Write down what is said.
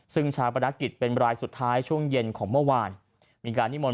ซึ่งชาปนกิจเป็นรายสุดท้ายช่วงเย็นของเมื่อวานมีการนิมนต